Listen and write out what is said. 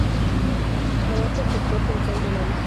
Abarca el sector central de la isla.